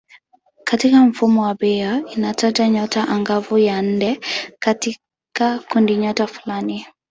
Katika mfumo wa Bayer inataja nyota angavu ya nne katika kundinyota fulani.